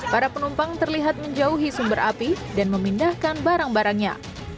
para penumpang terlihat menjauhi sumber api dan memindahkan barang barangnya